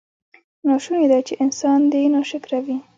ناشونې ده چې انسان دې ناشکره وي.